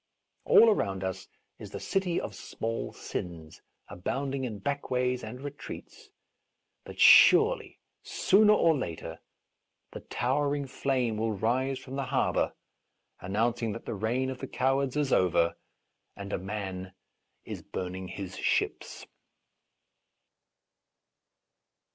All around us is the city of small sins, abound ing in backways and retreats, but surely, sooner or later, the towering flame will rise from the harbour announcing that the reign of the cowards is over and a man is burn ing his ships.